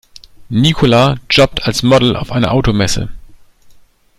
Nicola jobbt als Model auf einer Automesse.